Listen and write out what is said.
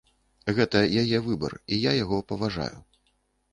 Гэта яе выбар і я яго паважаю.